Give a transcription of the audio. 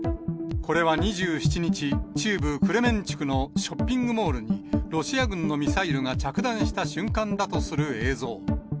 これは２７日、中部クレメンチュクのショッピングモールに、ロシア軍のミサイルが着弾した瞬間だとする映像。